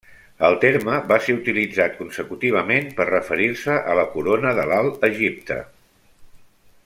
El terme va ser utilitzat consecutivament per referir-se a la corona de l'Alt Egipte.